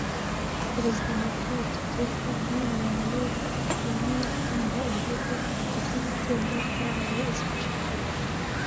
" Perezida Macron yatubwiye ko umwami wa Maroc yemeye gutanga indege akaziha itsinda ryahawe izo nshingano